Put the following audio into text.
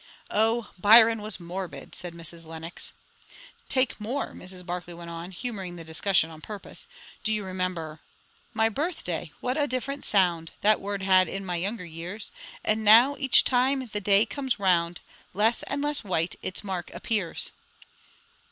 '" "O, Byron was morbid," said Mrs. Lenox. "Take Moore," Mrs. Barclay went on, humouring the discussion on purpose. "Do you remember? 'My birthday! what a different sound That word had in my younger years! And now, each time the day comes round, Less and less white its mark appears.'"